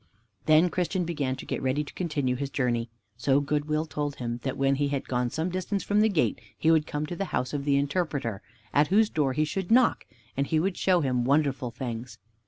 Then Christian began to get ready to continue his journey. So Good will told him that when he had gone some distance from the gate, he would come to the house of the Interpreter, at whose door he should knock, and he would show him wonderful things.